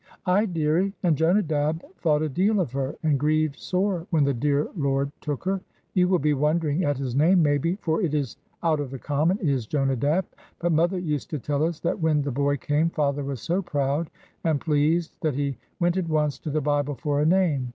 "Aye, dearie, and Jonadab thought a deal of her, and grieved sore when the dear Lord took her. You will be wondering at his name, maybe, for it is out of the common, is Jonadab; but mother used to tell us that when the boy came, father was so proud and pleased that he went at once to the Bible for a name.